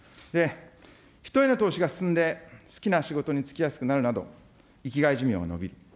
人への投資が進んで好きな仕事に就きやすくなるなど、生きがい寿命が延びる。